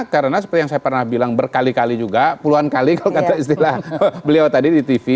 karena seperti yang saya pernah bilang berkali kali juga puluhan kali kalau kata istilah beliau tadi di tv